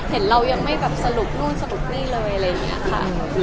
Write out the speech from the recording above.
เห็นเรายังไม่แบบสรุปนู่นสรุปนี่เลยอะไรอย่างนี้ค่ะ